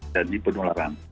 dan di penularan